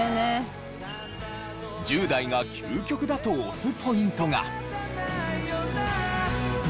１０代が究極だと推すポイントが。